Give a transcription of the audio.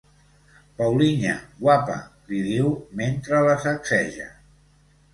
Paulinha, guapa —li diu mentre la sacseja—.